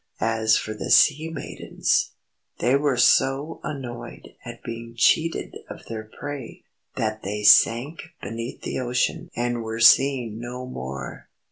As for the sea maidens they were so annoyed at being cheated of their prey, that they sank beneath the ocean and were seen no more.